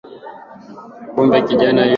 Kumbe kijana yule ako na mbio